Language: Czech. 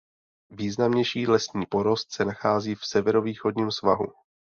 Významnější lesní porost se nachází v severovýchodním svahu.